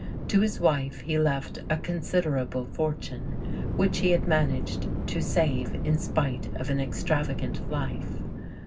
To his wife he left a considerable fortune, which he had managed to save in spite of an extravagant life.